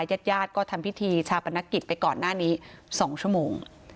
ญาติญาติก็ทำพิธีชาปนกิจไปก่อนหน้านี้๒ชั่วโมง